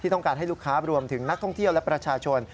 ต้องการให้ลูกค้ารวมถึงนักท่องเที่ยวและประชาชน